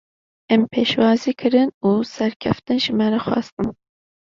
Em pêşwazî kirin û serkeftin ji me re xwestin.